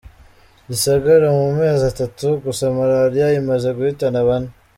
Gisagara: Mu mezi atatu gusa Malariya imaze guhitana bane.